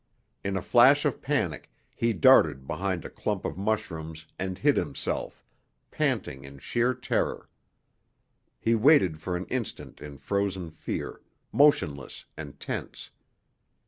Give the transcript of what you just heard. In a flash of panic he darted behind a clump of mushrooms and hid himself, panting in sheer terror. He waited for an instant in frozen fear, motionless and tense.